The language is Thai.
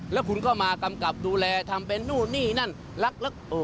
แล้วคุณก็มากำกับดูแลทำเป็นนู่นนี่นั่นรัก